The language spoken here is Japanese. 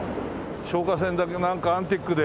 消火栓だけなんかアンティークで。